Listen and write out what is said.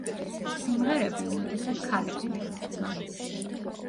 სიმღერები უმეტესად ქალებს მიუძღვნა.